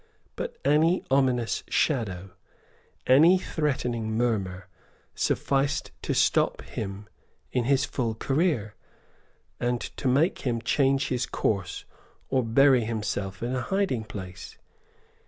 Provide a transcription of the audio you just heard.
But any ominous shadow, any threatening murmur, sufficed to stop him in his full career, and to make him change his course or bury himself in a hiding place.